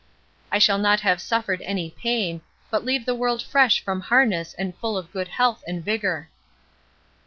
I shall not have suffered any pain, but leave the world fresh from harness and full of good health and vigour.